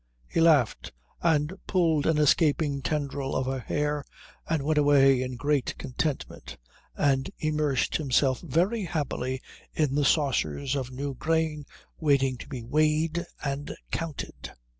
He laughed, and pulled an escaping tendril of her hair, and went away in great contentment and immersed himself very happily in the saucers of new grain waiting to be weighed and counted.